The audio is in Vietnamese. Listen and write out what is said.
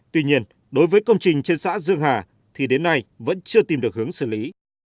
tuy nhiên đối với công trình trên xã dương hà thì đến nay vẫn chưa tìm được hướng xử lý